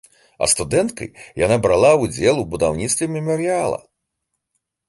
А студэнткай яна брала ўдзел у будаўніцтве мемарыяла.